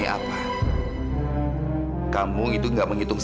eh apakah kamu usah macam itu bang